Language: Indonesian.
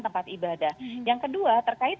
tempat ibadah yang kedua terkait